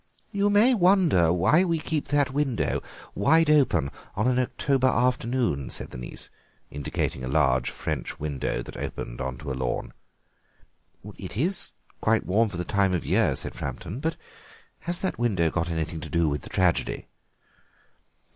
"You may wonder why we keep that window wide open on an October afternoon," said the niece, indicating a large French window that opened on to a lawn. "It is quite warm for the time of the year," said Framton; "but has that window got anything to do with the tragedy?"